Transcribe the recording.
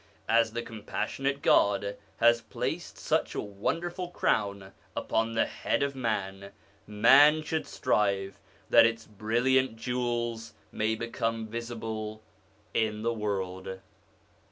As the compassionate God has placed such a wonderful crown upon the head of man, man should strive that its brilliant jewels may become visible in the world.